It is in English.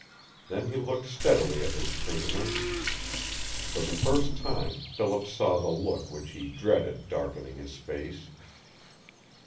Then he looked steadily at his prisoner. For the first time Philip saw the look which he dreaded darkening his face.